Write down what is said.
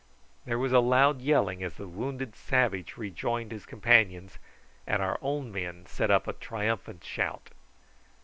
There was a loud yelling as the wounded savage rejoined his companions, and our own men set up a triumphant shout.